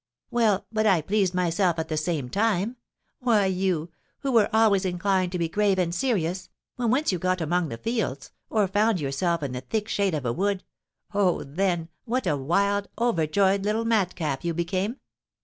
"Well, but I pleased myself at the same time. Why, you, who were always inclined to be grave and serious, when once you got among the fields, or found yourself in the thick shade of a wood, oh, then, what a wild, overjoyed little madcap you became!